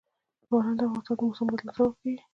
باران د افغانستان د موسم د بدلون سبب کېږي.